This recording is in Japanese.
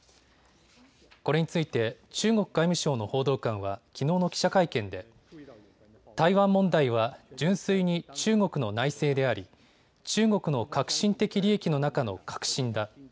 これについて中国外務省の報道官はきのうの記者会見で台湾問題は純粋に中国の内政であり中国の核心的利益の中の核心だ。